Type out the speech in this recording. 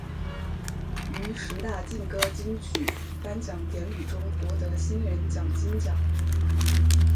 于十大劲歌金曲颁奖典礼中夺得新人奖金奖。